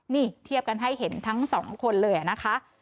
นี่เทียบกันให้เห็นทั้งสองคนเลยนะคะ